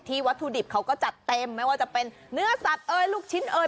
วัตถุดิบเขาก็จัดเต็มไม่ว่าจะเป็นเนื้อสัตว์เอ้ยลูกชิ้นเอ่ย